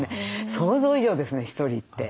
想像以上ですねひとりって。